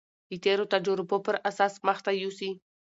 د تېرو تجربو پر اساس مخته يوسي.